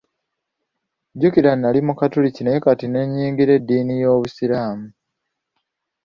Jjukira nnali Mukatuliki naye kati n'ayingira eddiini y'Obusiraamu.